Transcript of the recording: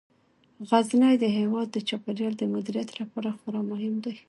غزني د هیواد د چاپیریال د مدیریت لپاره خورا مهم دی.